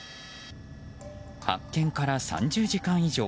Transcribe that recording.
発見から３０時間以上。